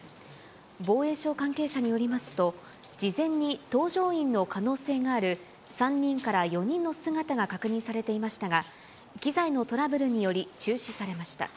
防衛省関係者によりますと、事前に、搭乗員の可能性がある３人から４人の姿が確認されていましたが、機材のトラブルにより、中止されました。